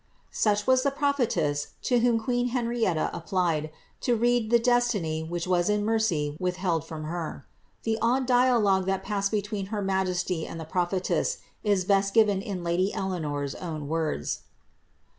Such was the prophetess to whom queen Henrietta applied, to read the destiny which was in mercy withheld from her. The odd dialogue that passed between her majesty and the prophetess is best given in lady Eleanor^s own words.